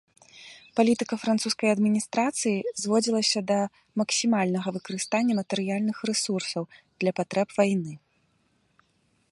Палітыка французскай адміністрацыі зводзілася да максімальнага выкарыстання матэрыяльных рэсурсаў для патрэб вайны.